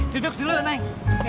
duduk dulu neng